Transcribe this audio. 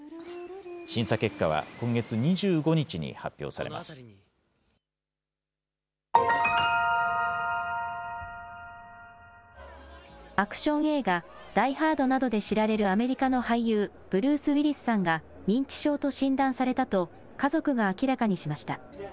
審査結果は今月２５日に発表されアクション映画、ダイ・ハードなどで知られるアメリカの俳優、ブルース・ウィリスさんが、認知症と診断されたと、家族が明らかにしました。